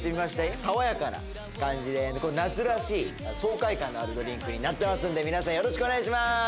爽やかな感じで夏らしい爽快感のあるドリンクになってますので皆さんよろしくお願いします。